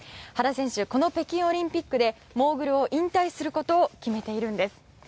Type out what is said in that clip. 原選手、この北京オリンピックでモーグルを引退することを決めているんです。